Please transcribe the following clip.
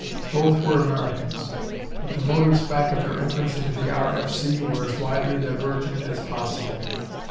Both were Americans, but the motives back of their entrance into the R.F.C. were as widely divergent as possible.